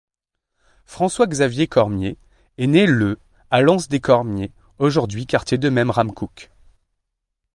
François-Xavier Cormier est né le à l’Anse-des-Cormier, aujourd'hui quartier de Memramcook.